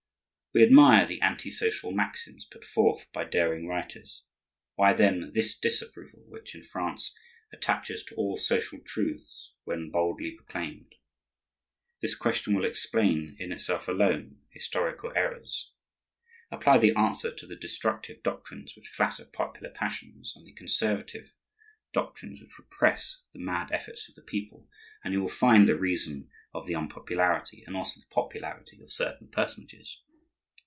We admire the anti social maxims put forth by daring writers; why, then, this disapproval which, in France, attaches to all social truths when boldly proclaimed? This question will explain, in itself alone, historical errors. Apply the answer to the destructive doctrines which flatter popular passions, and to the conservative doctrines which repress the mad efforts of the people, and you will find the reason of the unpopularity and also the popularity of certain personages.